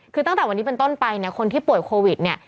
คือตั้งแต่วันนี้เป็นต้นไปเนี่ยคนที่ป่วยโควิดเนี่ย